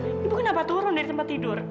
ibu kenapa turun dari tempat tidur